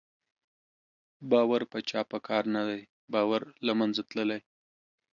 باور په چا په کار نه دی، باور له منځه تللی